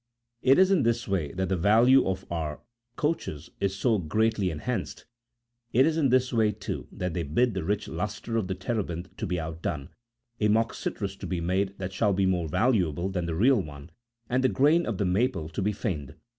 It is in this way that the value of our couches is so greatly enhanced ; it is in this way, too, that they bid the rich lustre of the terebinth to be outdone, a mock citrus to be made that shall be more valuable than the real one, and the grain of the maple to be feigned.